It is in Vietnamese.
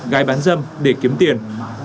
gái bán dâm để kiếm tiền